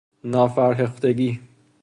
نافرهختگی